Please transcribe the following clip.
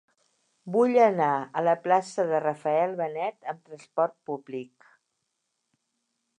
Vull anar a la plaça de Rafael Benet amb trasport públic.